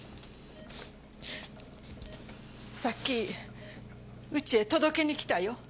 さっきうちへ届けに来たよ